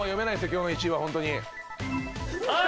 今日の１位はホントに。